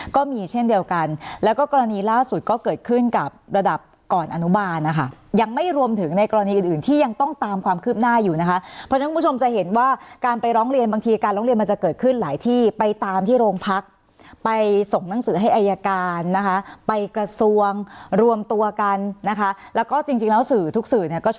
ก็มีเช่นเดียวกันแล้วก็กรณีล่าสุดก็เกิดขึ้นกับระดับก่อนอนุบาลนะคะยังไม่รวมถึงในกรณีอื่นอื่นที่ยังต้องตามความคืบหน้าอยู่นะคะเพราะฉะนั้นคุณผู้ชมจะเห็นว่าการไปร้องเรียนบางทีการร้องเรียนมันจะเกิดขึ้นหลายที่ไปตามที่โรงพักไปส่งหนังสือให้อายการนะคะไปกระทรวงรวมตัวกันนะคะแล้วก็จริงแล้วสื่อทุกสื่อเนี่ยก็ช